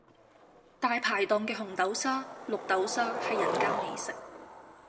大排檔嘅紅豆沙、綠豆沙係人間美食